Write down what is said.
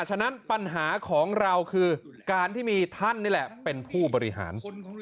ฉะนั้นปัญหาของเราคือการที่มีท่านนี่แหละเป็นผู้บริหาร